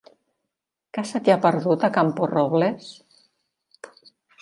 Què se t'hi ha perdut, a Camporrobles?